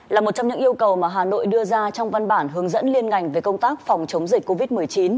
là một trong những yêu cầu mà hà nội đưa ra trong văn bản hướng dẫn liên ngành về công tác phòng chống dịch covid một mươi chín